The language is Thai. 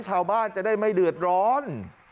ชาวบ้านจะได้ไม่เดือดร้อน